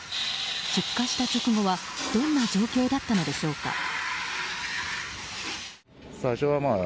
出火した直後はどんな状況だったのでしょうか。